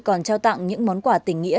còn trao tặng những món quả tình nghĩa